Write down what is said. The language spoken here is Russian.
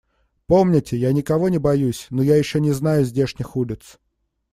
Помните, я никого не боюсь, но я еще не знаю здешних улиц.